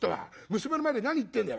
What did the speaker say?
娘の前で何言ってんだよ」。